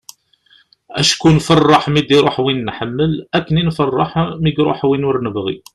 acku nfeṛṛeḥ mi d-iruḥ win nḥemmel akken i nfeṛṛeḥ mi iruḥ win ur nebɣi